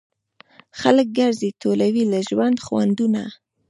خلک ګرځي ټولوي له ژوند خوندونه